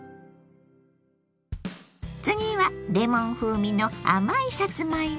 次はレモン風味の甘いさつまいも。